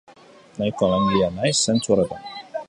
Nahiko langilea naiz zentzu horretan.